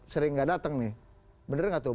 sering gak datang nih benar gak taufik